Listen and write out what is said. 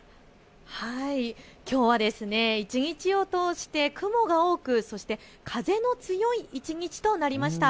きょうは一日を通して雲が多くそして風の強い一日となりました。